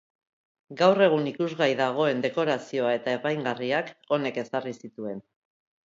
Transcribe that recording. Gaur egun ikusgai dagoen dekorazioa eta apaingarriak honek ezarri zituen.